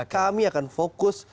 kami akan fokus